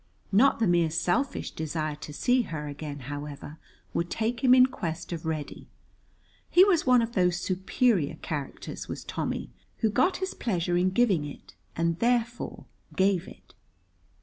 Not the mere selfish desire to see her again, however, would take him in quest of Reddy. He was one of those superior characters, was Tommy, who got his pleasure in giving it, and therefore gave it.